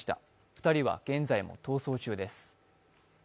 ２人は現在も逃走中です。